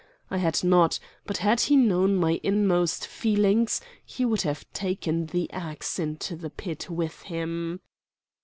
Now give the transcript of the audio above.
I had not; but had he known my inmost feelings he would have taken the axe into the pit with him.